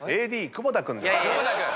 久保田君。